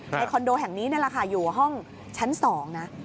คอนโดแห่งนี้นี่แหละค่ะอยู่ห้องชั้น๒นะ